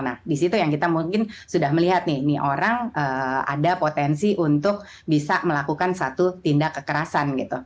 nah disitu yang kita mungkin sudah melihat nih orang ada potensi untuk bisa melakukan satu tindak kekerasan gitu